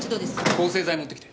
抗生剤持ってきて。